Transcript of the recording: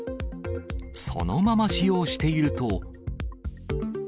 そのまま使用していると。